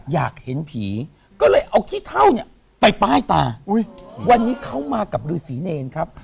อยากเห็นผีก็เลยเอาขี้เท่าเนี่ยไปป้ายตาวันนี้เขามากับฤษีเนรครับ